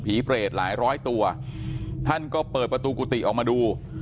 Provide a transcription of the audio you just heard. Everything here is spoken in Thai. เปรตหลายร้อยตัวท่านก็เปิดประตูกุฏิออกมาดู